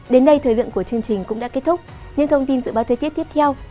đến đây thời lượng của chương trình